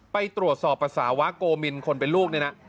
ไปตรวจสอบปรัสสาวะกโกมินคนเป็นลูกนี่นะ